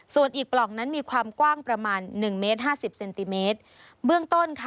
ส่วนอีกปล่องนั้นมีความกว้างประมาณ๑เมตร๕๐เซนติเมตร